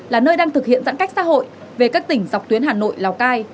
là nơi đang thực hiện giãn cách xã hội về các tỉnh dọc tuyến hà nội lào cai